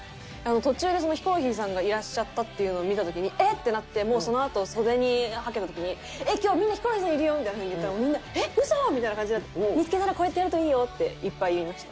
途中でヒコロヒーさんがいらっしゃったっていうのを見た時にえっ？ってなってもうそのあと袖にはけた時に「今日みんなヒコロヒーさんいるよ！」みたいな風に言ったらみんな「えっ！嘘ー！」みたいな感じになって「見付けたらこうやってやるといいよ」っていっぱい言いました。